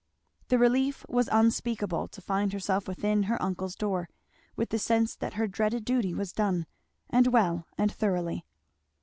The relief was unspeakable to find herself within her uncle's door with the sense that her dreaded duty was done, and well and thoroughly.